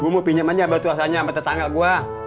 gue mau pinjam aja batu asarnya sama tetangga gue